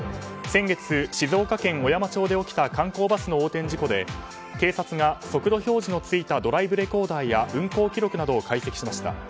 先月、静岡県小山町で起きた観光バスの横転事故で警察が速度表示のついたドライブレコーダーや運行記録などを解析しました。